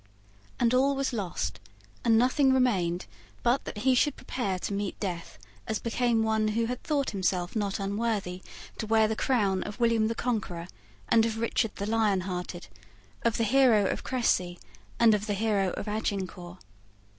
And all was lost; and nothing remained but that he should prepare to meet death as became one who had thought himself not unworthy to wear the crown of William the Conqueror and of Richard the Lionhearted, of the hero of Cressy and of the hero of Agincourt.